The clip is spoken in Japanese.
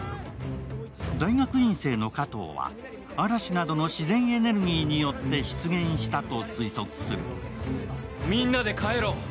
大学院生の加藤は、嵐などの自然エネルギーによって出現したと推測する。